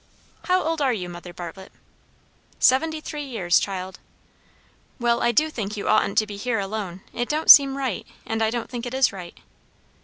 "How old are you, Mother Bartlett?" "Seventy three years, child." "Well, I do think you oughtn't to be here alone. It don't seem right, and I don't think it is right."